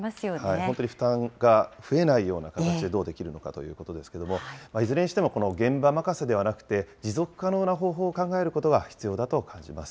本当に負担が増えないような形でどうできるのかということですけれども、いずれにしても、現場任せではなくて、持続可能な方法を考えることが必要だと感じます。